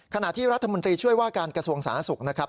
ขณะที่รัฐมนตรีช่วยว่าการกระทรวงสาธารณสุขนะครับ